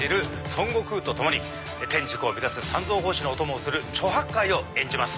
孫悟空と共に天竺を目指す三蔵法師のお供をする猪八戒を演じます。